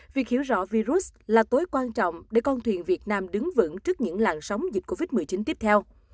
việc hiểu rõ virus là tối quan trọng để con thuyền việt nam đứng vững trước những làn sóng dịch covid một mươi chín tiếp theo